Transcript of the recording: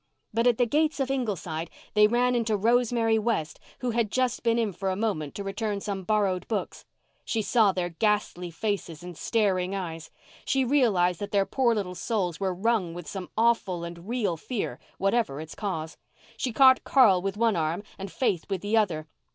But at the gate of Ingleside they ran into Rosemary West, who had just been in for a moment to return some borrowed books. She saw their ghastly faces and staring eyes. She realized that their poor little souls were wrung with some awful and real fear, whatever its cause. She caught Carl with one arm and Faith with the other.